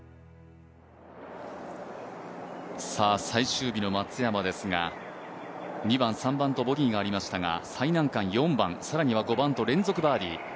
最終日の松山ですが、２番、３番とボギーがありましたが、最難関４番、更には５番と連続バーディー。